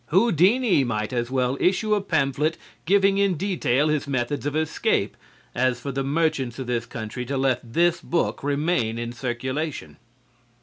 Houdini might as well issue a pamphlet giving in detail his methods of escape as for the merchants of this country to let this book remain in circulation.